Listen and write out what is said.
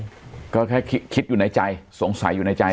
ก็แค่คิดอยู่ในใจสงสัยอยู่ในใจ